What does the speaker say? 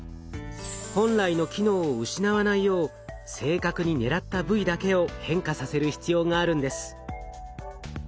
本来の機能を失わないよう正確に狙った部位だけを変化させる必要があるんです。